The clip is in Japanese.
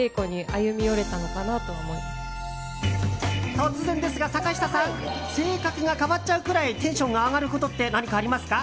突然ですが、坂下さん性格が変わっちゃうくらいテンションが上がることって何かありますか？